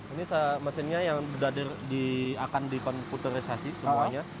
ini mesinnya yang akan dikomputerisasi semuanya